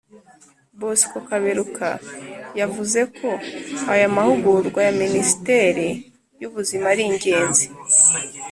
bosco kaberuka yavuze ko aya mahugurwa ya minisiteri y’ubuzima ari ingenzi